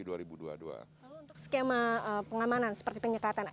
lalu untuk skema pengamanan seperti penyekatan